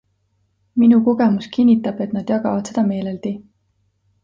Minu kogemus kinnitab, et nad jagavad seda meeleldi.